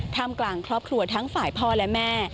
กลางครอบครัวทั้งฝ่ายพ่อและแม่